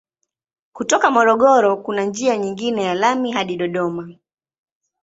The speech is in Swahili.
Kutoka Morogoro kuna njia nyingine ya lami hadi Dodoma.